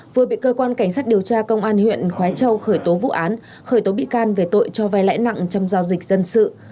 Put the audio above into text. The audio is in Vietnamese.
vừa bị cơ quan cảnh sát điều tra công an huyện khói châu khởi tố vụ án khởi tố bị can về tội cho vai lãi nặng trong giao dịch dân sự